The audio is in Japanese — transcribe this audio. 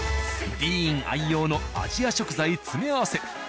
ディーン愛用のアジア食材詰め合わせ。